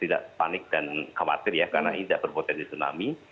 tidak panik dan khawatir ya karena ini tidak berpotensi tsunami